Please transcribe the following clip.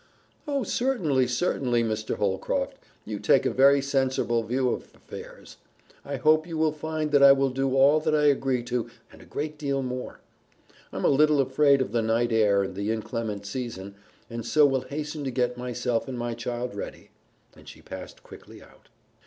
"Oh, certainly, certainly, Mr. Holcroft! You take a very senserble view of affairs. I hope you will find that I will do all that I agree to and a great deal more. I'm a little afraid of the night air and the inclement season, and so will hasten to get myself and my child ready," and she passed quickly out.